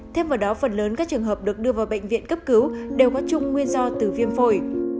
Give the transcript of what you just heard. thêm vào đó phần lớn các trường hợp được đưa vào bệnh viện cấp cứu đều có chung nguyên do từ viêm phổi